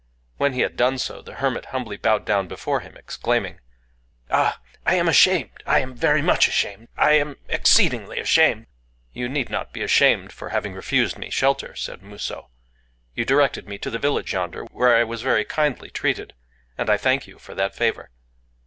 When he had done so, the hermit humbly bowed down before him, exclaiming:—"Ah! I am ashamed!—I am very much ashamed!—I am exceedingly ashamed!" "You need not be ashamed for having refused me shelter," said Musō. "You directed me to the village yonder, where I was very kindly treated; and I thank you for that favor."